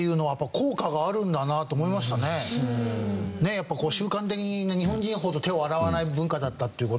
やっぱこう習慣的に日本人ほど手を洗わない文化だったっていう事なので。